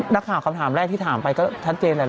นักข่าวคำถามแรกที่ถามไปก็ชัดเจนแหละ